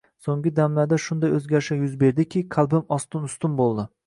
So`nggi damlarda shunday o`zgarishlar yuz berdiki, qalbim ostin-ustun bo`ldi